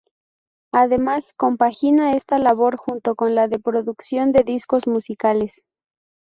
Además, compagina esta labor junto con la de producción de discos musicales.